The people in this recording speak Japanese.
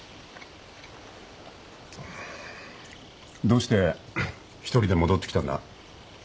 どうして１人で戻って来たんだ？